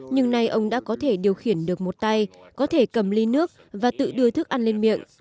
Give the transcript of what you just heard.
nhưng nay ông đã có thể điều khiển được một tay có thể cầm ly nước và tự đưa thức ăn lên miệng